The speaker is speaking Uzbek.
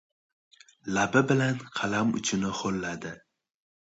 Labi bilan qalam uchini ho‘lladi.